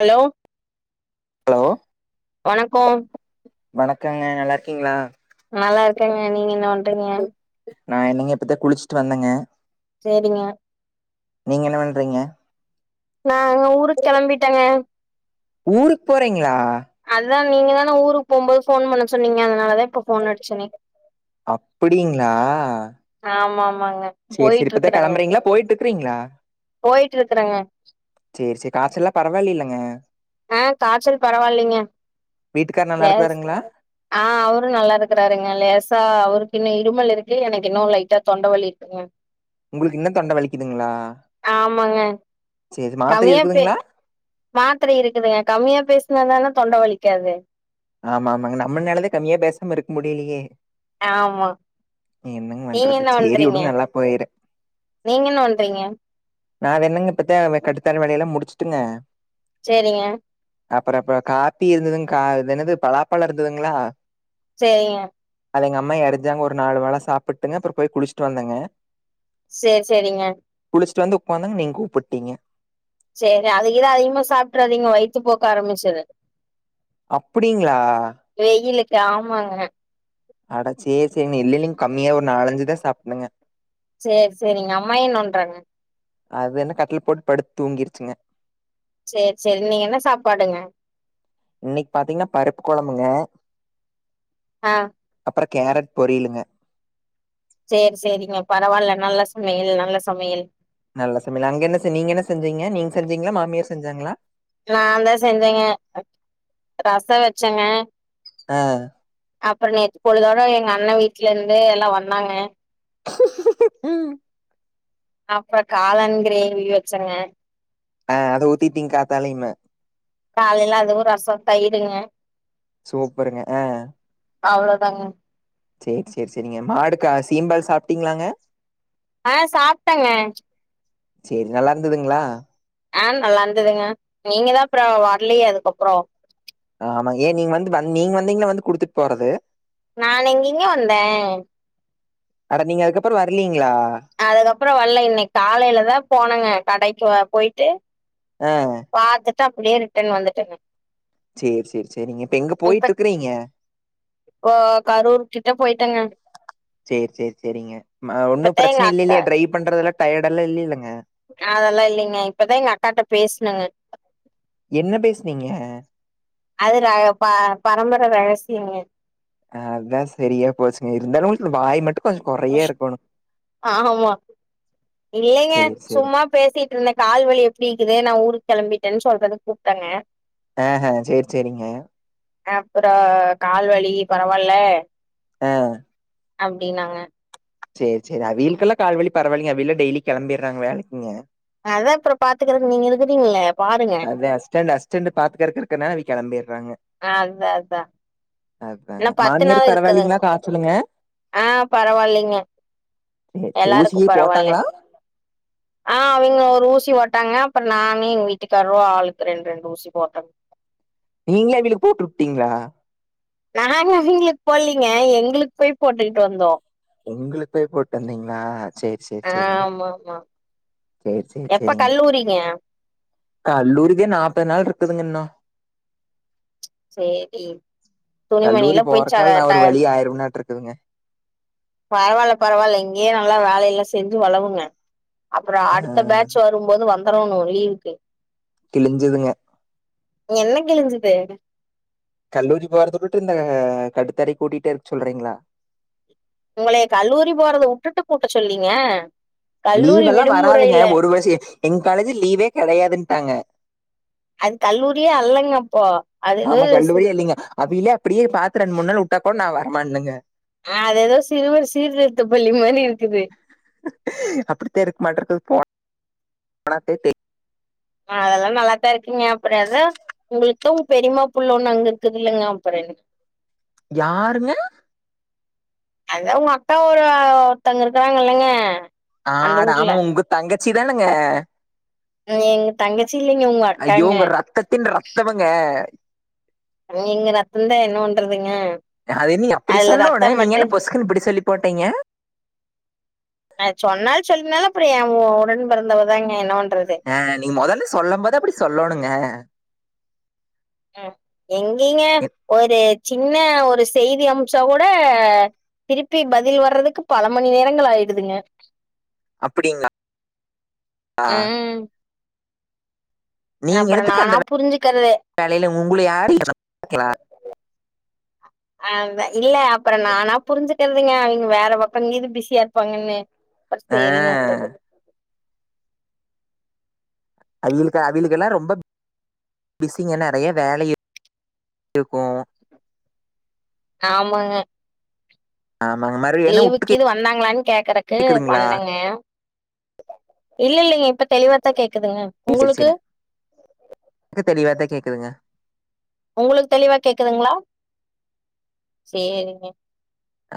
Hello hello வணக்கோ வணக்கங்க நல்லா இருக்கீங்ளா? நல்லா இருக்கேங்க, நீங்க என்ன பண்றீங்க? நா என்னங்க இப்பத்தா குளிச்சுட்டு வந்தேங்க சேரிங்க நீங்க என்ன பண்றீங்க? நாங்க ஊருக் கெளம்பிட்டேங்க ஊருக் போறீங்களா? அதுதா நீங்க தான ஊருக் போம்போது ஃபோன் பண்ண சொன்னீங்க அதனாலதா இப்ப ஃபோன் அடிச்சனே அப்டிங்ளா ஆமா ஆமாங்க சேரி சேரி போயிட்டு இப்பதா இருக்கறங்க கெளம்புறீங்ளா, போயிட்ருக்கிங்ளா போயிட்டு இருக்கறங்க சேரி சேரி காய்ச்சல்லா பரவால்லீல்லங்க ஆ, காய்ச்சல் பரவாயில்லைங்க வீட்டுக்கார் நல்லா லேசா இருக்கிறாருங்களா ஆ அவரும் நல்லா இருக்குறாருங்க லேசா அவருக்கு இன்னு இருமல் இருக்கு, எனக்கு இன்னு லைட்டா தொண்டவலி ருக்குங்க உங்களுக்கு இன்னு தொண்ட வலிக்குதுங்ளா, ஆமாங்க சேரி மாத்திர இருக்குதுங்ளா மாத்தர இருக்குது கம்மியா பேசுனாதான தொண்ட வலிக்காது ஆமா ஆமாங்க நம்மனாலதா கம்மியா பேசாம இருக்க முடியலயே ஆமா என்னங்க நீங்க பண்றது என்ன சேரி பண்றீங்க வுடுங்க எல்லா போயிரு நீங்க என்ன பண்றீங்க நா என்னங்க இப்பதே கட்டுதர வேலை எல்லா முடிச்சுட்டுங்க செரிங்க அப்பறோ அப்ப காப்பி இருந்ததுங் கா இது என்னது பலாப்பழம் இருந்ததுங்ளா சேரிங்க அத எங்க அம்மா எடசாங்க ஒரு நாலு பழம் சாப்ட்டுங்க அப்பறோ போய் குளிஷ்ட்டு வந்தங்க சேரி செரிங்க குளிச்சிட்டு வந்து உக்காங்தங்க நீங்க கூப்ட்டீங்க சேரி அதுகிது அதிகமா சாப்ட்றாதீங்க வயித்து போக்கு ஆரம்பிச்சுரு அப்டிங்ளா வெயிலுக்கு ஆமாங்க அட சேரி செரிங்க இல்ல இல்லங்க கம்மியா ஒரு நாலஞ்சுதா சாப்டேனுங்க சேரி சேரிங்க அம்மா என்ன பண்றாங்க அதென்ன கட்லு போட்டு படுத் தூங்கிருச்சுங்க சேரி சேரி இன்னக்கி என்ன சாப்பாடுங்க இன்னக்கி பாத்தீங்கன்னா பருப்பு கொழம்புங்க ஆ அப்பறோ கேரட் பொரியலுங்க சேரி சேரிங்க பரவால்ல நல்ல சமையல் நல்ல சமையல் நல்ல சமயல் அங்க என்ன செ நீங்க என்ன செஞ்சீங்க நீங்க செஞ்சீங்களா மாமியார் செஞ்சாங்களா நா தா செஞ்சேங்க ரசம் வச்சேங்க ஆ அப்பறோ நேத்து பொழுதோட எங்க அண்ணே வீட்லருந்து எல்லா வந்தாங்க ம் அப்ப காலான் கிரேவி வச்சங்க ஆ அத ஊத்திட்டீங்க காத்தாலயுமே காலேல அதுவு ரசோ தயிருங்க சூப்பருங்க ஆ அவ்ளோதாங்க சேரி சேரி சேரிங்க மாடுக்கு சீம்பால் சாப்ட்டீங்களாங்க ஆ சாப்ட்டங்க சேரி நல்லா இருந்ததுங்ளா ஆ நல்லா இருந்ததுங்க நீங்க தா அப்றோ வரலையே அதுக்கப்பறோ ஆ ஆமாங்க ஏ நீங் வந் நீங்க வந்தீங்ன்னா வந்து குடுத்துட்டு போறது நானு எங்கங்க வந்தே அட நீங்க அதுக்கப்பறோ வரலீங்களா அதுக்கப்பறோ வல்ல இன்னக்கி காலேலதா போனங்க கடைக்கு போயிட்டு ஆ பாத்துட்டு அப்டியே ரிட்டன் வந்துட்டேங்க சேரி சேரி சேரிங்க இப்ப எங்க போயிட்டு இருக்குறீங்க இப்போ கரூர் கிட்ட போயிட்டேங்க சேரி சேரி சேரிங்க அ ஒன்னு இப்பத்தா எங்க பிரச்சன இல்ல அக்கா இல்லையே ட்ரை பண்றதுல டயர்டெல்லா இல்லைலங்க ஆ அதெல்லா இல்லலைங்க இப்பதா எங்க அக்காட்ட பேசுனங்க என்ன பேசுனீங்க அது ர ப பரம்பர ரகசியம்ங்க அதா செரியா போச்சுங்க இருந்தாலு உங்களுக்கு இந்த வாய் மட்டு ஆமா இல்லைங்க சேரி சேரி சும்மாப் பேசிட்ருந்தே கால் வலி எப்டி இக்குது நா ஊருக்கு கெளம்பிட்டன் சொல்றதுக்கு கூப்ட்டங்க ஆ ஹ சேரி சேரிங்க அப்றோ கால் வலி பரவால்ல ஆ அப்டின்னாங்க சேரி சேரி அவீகளுக்கெல்லா கால்வலி பரவால்லைங்க அவீகலா டெய்லி கெளம்பிட்றாங்க வேலைக்குங்க அதா அப்ற பாத்துக்கறக்கு நீங்க இருக்குறீங்லே பாருங்க அதே அஸ்டன்ட் அஸ்டன்டு பாத்துக்கறக்கு இருக்கனால அவி கெளம்பிட்றாங்க ஆ அதுதா அதா இன்ன அதாங்க பத்து நாள் மாமியாருக்கு இருக்குதுங் பரவாயில்லைங்களா காய்ச்சலுங்க ஆ பரவால்லைங்க சேரி சேரி ஊசி எல்லாருக்கு கீசி பரவால்லே போட்டாங்களா ஆ அவிங்க ஒரு ஊசி போட்டாங்க அப்பற நானு எங் வீட்டுக்காரு ஆளுக்கு ரெண்டு ரெண்டு ஊசி போட்டோங்க நீங்ளே அவிகளுக்கு போட்டு வுட்டீங்ளா நாங்க அவிங்களுக்கு போட்லைங்க எங்களுக்கு போய் போட்டுக்கிட்டு வந்தோ உங்களுக்கு போய் போட்டு வந்தீங்ளா சேரி சேரி சேரிங்க ஆமா சேரி சேரி சேரிங்க பூரிங்கயா கல்லூரிக்கே நாப்பது நாள் இருக்குதுங்க இன்ன சேரி கல்லூரி துணிமணிலா போய் ச போறக்கால் நா ட ஒரு வழி ஆயிருவனாட்டு இருக்குதுங்க பரவால்ல பரவால்ல இங்கயே நல்லா வேலையெல்லா செஞ்சு வளவுங்க அப்றோ ஆ அடுத்த பேட்ச் வர் ரும்போது வந்துரணு லீவுக்கு கிழிஞ்சதுங்க என்ன கிழிஞ்சது கல்லூரி போறதபுட்டு இந்த கடுத்தரைய கூட்டிட்டே இருக்க சொல்றீங்ளா உங்களே கல்லூரி போறதவுட்டுட்டு கூட்ட சொல்லைங்க லீவெல்லா வராதுங்க ஒரு வர்ஷ எங் காலேஜு லீவே கெடையாதுன்டாங்க அது கல்லூரியே அல்லங்க அப்போ அது ஆமா ஏதோ கல்லூரியே இல்லைங்க அவிகளே அப்டியே பாத்து ரெண்டு மூணு நாள் வுட்டா கூட நா வரமாட்னுங்க ஆ அது எதோ சிறுவர் சீர்திருத்த பள்ளி மாரி இருக்குது அப்டிதே இருக்க மாட்ருக்குது போனா போனாதே தெரியு அ அதெல்லா நல்லாத்தா இருக்கீங்க அப்ற‌ எதோ உங்களுக்கு தா உங்க பெரிமா புள்ள ஒன்னு அங்க இருக்குதுல்லங்க அப்பற என்னங்க யாருங்க அதா உங்க அக்கா ஒரு ஒருத்தங்க இருக்குறாங்க இல்லங்க அந்த ஆட ஊர்ல ஆமா உங்க தங்கச்சி தானங்க எங்க தங்கச்சி இல்லைங்க உங்க அக்காங்க என் ரத்தவங்க நீங்க ரத்தந்தா என்ன பண்றதுங்க அத நீ அப்டி அதுல சொல்லோன்னு ரத்தம் நீங்க பட்டு என்ன பொசுக்குன்னு இப்டி சொல்லி போட்டீங்க அது சொன்னாலு சொல்லினாலு அப்ற எ உடன் பிறந்தவதாங்க என்ன பண்றது ஆ நீங்க மொதல்லே சொல்லும் போது அப்டி சொல்லணுங்க ம் எங்கைங்க எ- ஒரு சின்ன ஒரு செய்தி அம்ச்சா கூட திருப்பி பதில் வர்றதுக்கு பல மணி நேரங்கள் ஆயிடுதுங்க அப்படிங்களா ஆ ம் நீங்க அப்புறோ எடுத்துக்க நானா அந்த வே- புரிஞ்சுக்கற்து வேலையில உங்களை யாரும் கேட்கலா? [inaudible] ஆ வ இல்ல அப்றோ நானா புரிஞ்சுக்கிறதுங்க அங்க வேற பக்க இங்க இது பிஸியா இருப்பாங்கன்னு அப்ப சேரினு அஹ், உட்டறது அதுகளுக்கு அதுகெலுக்கெல்லா ரொம்ப பிஸிங்க நறைய வேலை இருக்கு ஆமாங்க ஆமாங்க மரு லீவுக்கு இது வந்தாங்களான்னு கேக்குறக்கு கேக்குதுங்களா பண்ணங்க இல்ல இல்லிங்க இப்ப தெளிவாத்தா கேக்குதுங்க உங்களுக்கு [unintelligible] எனக்கு தெளிவாதா கேக்குதுங்க உங்களுக்கு தெளிவா கேக்குதுங்களா சேரிங்க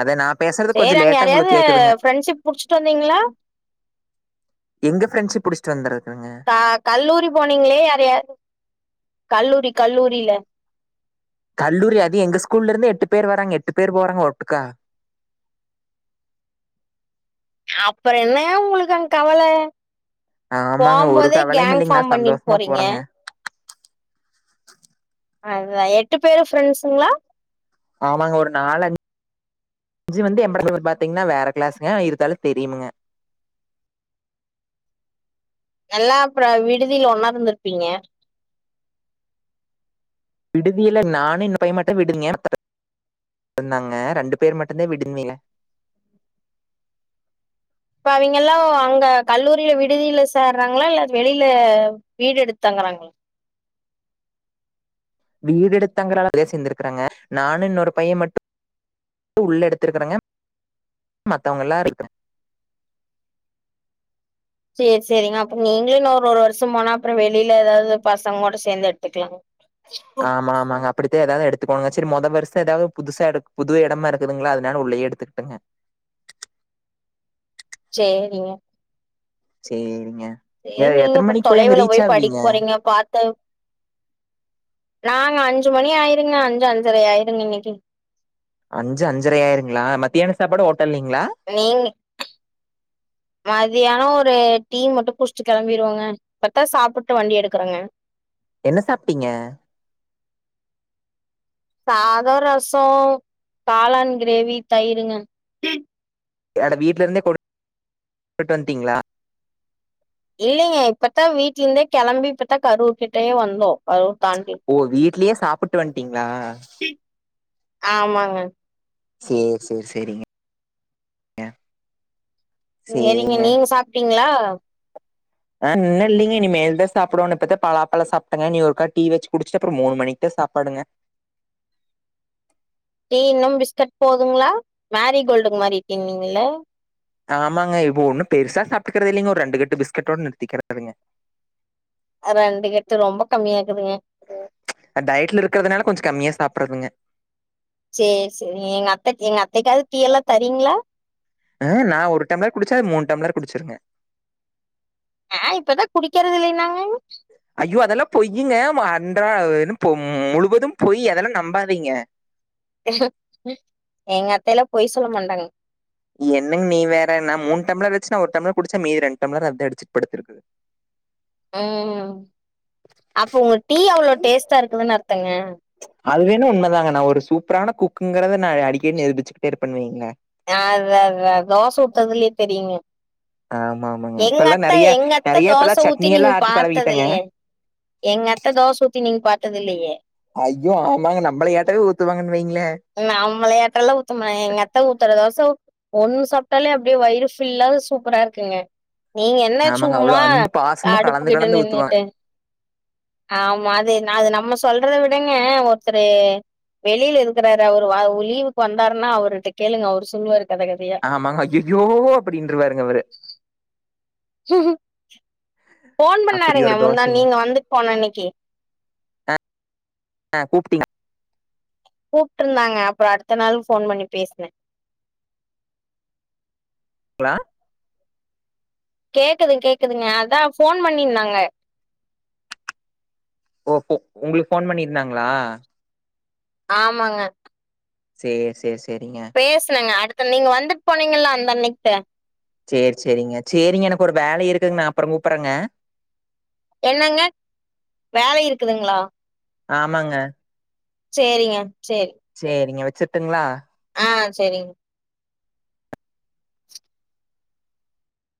அத நா பேசுறது கொஞ்சோ லேட்டா யாரையாவது உங்களுக்கு கேக்குதுங்க ஃப்ரெண்ட்ஷிப் புடிச்சிட்டு வந்தீங்களா எங்க ஃப்ரெண்ட்ஷிப் புடிச்சட்டு வந்துருக்குங்க க கல்லூரி போனீங்களே யார் யா கல்லூரி கல்லூரியில கல்லூரி அது எங்க ஸ்கூல்ல இருந்து எட்டு பேர் வராங்க எட்டு பேர் போறாங்க ஒட்டுக்கா அப்புறோ என்னங்க உங்களுக்கு அங்க கவல ஆமாங்க போம் ஒரு போதே கவலையும் கேங் இல்லைங்க ஃபார்ம் நான் பண்ணிட் சந்தோஷமா போறீங்க போறேங்க அதா எட்டு பேரு ஃப்ரெண்ட்சுங்களா ஆமாங்க ஒரு நாலு அஞ் சு வந்து [unintelligible] பாத்தீங்கன்னா வேற கிளாஸ்ங்க இருதாலு தெரியுமுங்க எல்லா அப்ற விடுதில ஒன்னா இருந்திருப்பீங்க விடுதியில நானு இன்னு பைய மட்டு விடுங்க [inaudible] இருந்தாங்க ரெண்டு பேர் மட்டுதா விடுந்தீல இப்ப அவிங்கல்லா அங்க கல்லூரில விடுதியில சேர்றாங்களா இல்ல வெளியில வீடு எடுத்து தங்கறாங்களா வீடு எடுத் தங்கறளா லேஸ் இந்திருக்கிறாங்க நானு இன்னொரு பைய மட்டு உள்ள எடுத்துருக்கறங்க மத்தவுங்க எல்லா இருக்கிற சேரி சேரிங்க அப்றோ நீங்களு இன்னு ஒரு ஒரு வருஷம் போனா அப்புறோ வெளியில ஏதாவது பசங்கோட சேந்து எடுத்துக்கலா ஆமா ஆமாங்க அப்படித்தா ஏதாவது எடுத்துக்கணுங்க சரி மொத வருசோ ஏதாவது புதுசா எடு புது எடமா இருக்குதுங்களா அதனால உள்ளேயே எடுத்துக்கிட்டங்க சேரிங்க சேரிங்க ஏ எ நீங்க எத்தன அப்றோ மணிக்கு அங்க தொலைவுல ரீச் போய் படிக்க ஆவீங்க போறீங்க பாத்து நாங்க அஞ்சு மணி ஆயிருங்க அஞ்சு அஞ்சர ஆயிருங்க இன்னிக்கு அஞ்சு அஞ்சரை ஆயிருங்களா மத்தியான சாப்பாடு ஹோட்டல்லிங்களா நீங்க மதியானோ ஒரு டீ மட்டு குச்சிட்டு கெளம்பிடுவங்க இப்பத்தா சாப்பிட்டு வண்டி எடுக்கறோங்க என்ன சாப்ட்டீங்க சாதோ ரசோ காளான் கிரேவி தயிருங்க எட வீட்ல இருந்தே கொடு கொன்ட்டு வன்டீங்களா இல்லைங்க இப்பதா வீட்ல இருந்தே கெளம்பி இப்பதா கரூர் கிட்டயே வந்தோ கரூர் தாண்டி ஓ வீட்லியே சாப்பிட்டு வன்ட்டீங்ளா ஆமாங்க சேரி சேரி சேரிங்க எ சேரிங்க நீங்க சாப்ட்டீங்ளா ஆ இன்னுலிங்க இனி மேல்தா சாப்டோனு இப்பத பலா பழோ சாப்ட்டங்க நீ ஒருக்கா டி வச்சி குடிச்சிட்டு அப்றோ மூணு மணிக்குதா சாப்பாடுங்க டீ இன்னும் பிஸ்கட் போதுங்ளா மேரி கோல்டுக்கு மாரி டீனுங்க இல்ல ஆமாங்க இப்ப ஒண்ணு பெருசா சாப்ட்டுக்றது இல்லிங்கோ ஒரு ரெண்டு கட்டு பிஸ்கட்டோட நிறுத்திக்றதுங்க ரெண்டு கட்டு ரொம்ப கம்மியா இருக்குதுங்க டயட்ல இருக்றதுனால கொஞ்சோ கம்மியா சாப்புட்றதுங்க சேரி சேரி எங்க அத்த அத்தைக்காவது டீ எல்லா தரீங்ளா ஆ நா ஒரு டம்லர் குடிச்ச அது மூன் டம்லர் குடிச்சிருங்க ஆ இப்பதா குடிக்றது இல்லின்னாங்க ஐயோ அதெல்லா பொய்யுங்க அன்றா என்ன சுகம் முழுவது பொய் அதெல்லா நம்பாதீங்க எங்க அத்தையல்லா பொய் சொல்ல மாட்டாங்க என்னங்க நீ வேற நா மூணு டம்ளர் வச்சுன்னா ஒரு டம்ளர் குடிச்ச மீதி ரெண்டு டம்ளர் அதா அடிச்ட்டு படுத்துருக்குது ம் அப்ப உங்க டீ அவ்ளோ டேஸ்டா இருக்குதுன்னு அர்த்தங்க அதுவேண்ணா உண்ம தாங்க நா ஒரு சூப்பரான குக்குங்றத நா அடிக்கடி நிரூபிச்சுக்கிட்டே இருப்பேனு வைங்களே ஆ அத அத தோச உத்ரதுலயே தெரியுங்க ஆமா ஆமாங்க இப்பெல்லா எங்கத்தா நெறைய எங்கத்த நெறைய தோச இப்பெல்லா சட்னி ஊத்தி நீங்க எல்லா ஆட்டி பாத்தது பழவிட்டேங்க இல்லியே எங்க அத்த தோச ஊத்தி நீங்க பா்த்தது இல்லியே ஐயோ ஆமாங்க நம்ளயாட்டாவே ஊத்துவாங்கன்னு வைங்ளே நம்மலையாட்டல்லா ஊத்துமா எங்க அத்த ஊத்துர தோச ஒண்ணு சாப்ட்டாலே அப்டியே வயிறு ஃபில்லா சூப்பரா இருக்குங்க நீங்க என்ன ஆமாங்க அவ்ளோ சும்மா அன்பு பாசமு கலந்து அடுப்புகிட்ட கலந்து ஊத்துவாங்க நின்னுட்டு ஆமா அது அது நம்ம சொல்றத விடங்க ஒருத்தர் வெளியில இருக் இருக்குறாரு அவரு லீவுக்கு வந்தாருன்னா அவருட்ட கேளுங்க அவர் சொல்லுவாரு கத கதையா ஆமாங்க அய்யய்யோ அப்படின்ருவாருங் அவரு ம் ஃபோன் அப்டி பண்ணாருங்க ஒரு முந்தா தோசைங்க நீங்க வந்துட் போன அன்னைக்கி ஆ கூப்ட்டீங் கூப்ட்ருந்தாங்க அப்ரோ அடுத்த நாள் ஃபோன் பண்ணி பேஸ்ன ங்களா கேக்குது கேக்குதுங்க அதா போன் பண்ணிந்தாங்க ஓ ஹோ உங்ளுக்கு ஃபோன் பண்ணிருந்தாங்ளா ஆமாங்க சேர் சேர் செரிங்க பேசுனங்க அடுத்த நீங்க வந்துட் போனீங்களா அந்த அன்னைக்தா சேரி சேரிங்க சேரிங்க எனக்கு ஒரு வேலை இருக்குதுங்க நா அப்றோ கூப்புட்றங்க என்னங்க வேலை இருக்குதுங்ளா ஆமாங்க சேரிங்க சேர் சேரிங்க வச்சுட்டுங்ளா ஆ சேரிங்